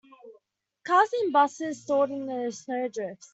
Cars and busses stalled in snow drifts.